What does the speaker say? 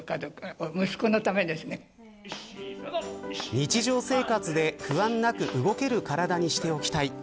日常生活で不安なく動ける体にしておきたい。